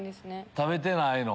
食べてないの。